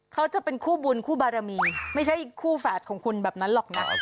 เขาจะเป็นคู่บุญคู่บารมีไม่ใช่คู่แฝดของคุณแบบนั้นหรอกนะ